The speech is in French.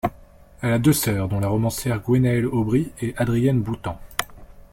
Elle a deux sœurs dont la romancière Gwenaëlle Aubry et Adrienne Boutang.